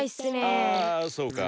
あそうか。